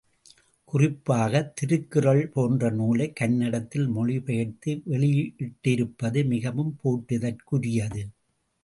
குறிப்பாகத் திருக்குறள் போன்ற நூலை, கன்னடத்தில் மொழிபெயர்த்து வெளியிட்டிருப்பது மிகவும் போற்றுதற் குரியது.